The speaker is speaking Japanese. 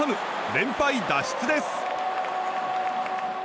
連敗脱出です。